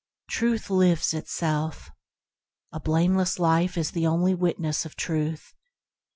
Truth lives itself. A blameless life is the only witness of Truth.